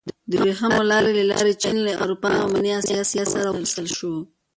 د ورېښمو لارې له لارې چین له اروپا او منځنۍ اسیا سره وصل شو.